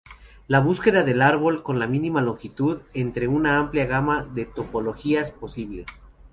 La búsqueda del árbol con mínima longitud entre una amplia gama de topologías posibles.